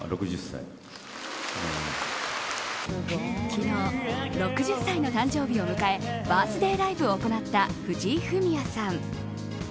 昨日６０歳の誕生日を迎えバースデーライブを行った藤井フミヤさん。